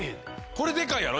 これでかいやろ？